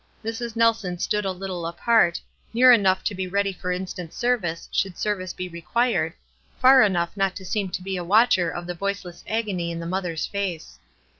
Mrs. Nelson stood a little apart, near enough to be ready for instant service should service be re quired — far enough not to seem to be a watchei of the voiceless agony in the mother's face.